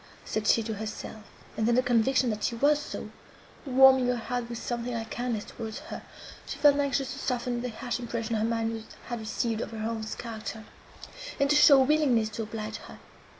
said she to herself; and then the conviction that she was so, warming her heart with something like kindness towards her, she felt anxious to soften the harsh impression her mind had received of her aunt's character, and to show a willingness to oblige her.